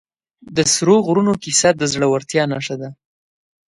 د سرو غرونو کیسه د زړورتیا نښه ده.